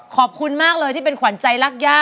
ขอบคุณมากเลยที่เป็นขวัญใจรักย่า